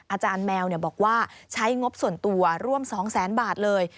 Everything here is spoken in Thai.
อาจารย์แมวบอกว่าใช้งบส่วนตัวร่วม๒แสนบาทเลย